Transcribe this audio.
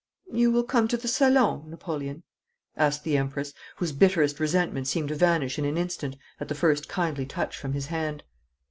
'You will come to the salon, Napoleon?' asked the Empress, whose bitterest resentment seemed to vanish in an instant at the first kindly touch from his hand.